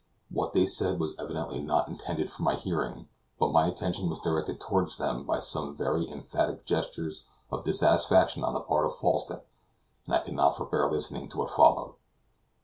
What they said was evidently not intended for my hearing, but my attention was directed toward them by some very emphatic gestures of dissatisfaction on the part of Falsten, and I could not forbear listening to what followed.